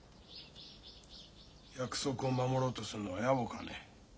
約束を守ろうとするのはやぼかね？